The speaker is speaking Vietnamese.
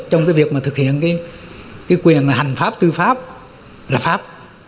trong cái việc mà thực hiện cái quyền hành pháp tư pháp là pháp